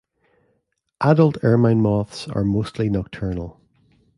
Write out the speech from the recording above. Adult ermine moths are mostly nocturnal.